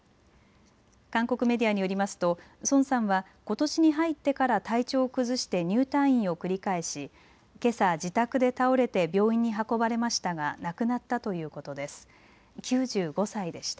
韓国メディアによりますとソンさんはことしに入ってから体調を崩して入退院を繰り返しけさ自宅で倒れて病院に運ばれましたが亡くなったということです。